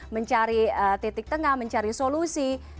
mencari titik tengah mencari solusi